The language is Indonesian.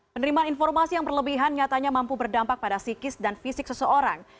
penerimaan informasi yang berlebihan nyatanya mampu berdampak pada psikis dan fisik seseorang